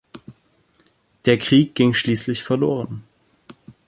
Der Krieg ging schließlich verloren.